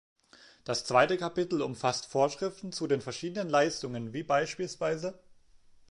Das zweite Kapitel umfasst Vorschriften zu den verschiedenen Leistungen, wie bspw.